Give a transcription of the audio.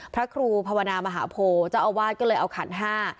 พระครูภาวนามหาโพเจ้าอาวาสก็เลยเอาขันห้า